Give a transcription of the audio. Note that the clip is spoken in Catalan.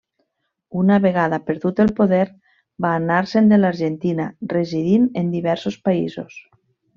Una vegada perdut el poder, va anar-se'n de l'Argentina, residint en diversos països.